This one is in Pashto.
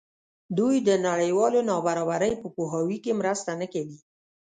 دوی د نړیوالې نابرابرۍ په پوهاوي کې مرسته نه کوي.